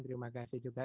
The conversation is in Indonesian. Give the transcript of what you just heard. terima kasih juga